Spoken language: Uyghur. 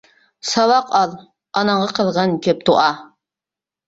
ساۋاق ئال ئاناڭغا قىلغىن كۆپ دۇئا.